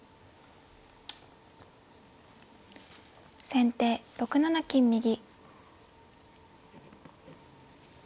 先手６七金右。